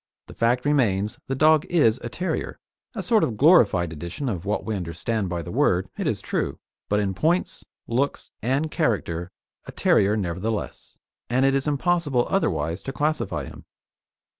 The fact remains the dog is a terrier a sort of glorified edition of what we understand by the word, it is true, but in points, looks, and character, a terrier nevertheless, and it is impossible otherwise to classify him.